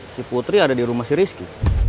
si putri ada di rumah si rizky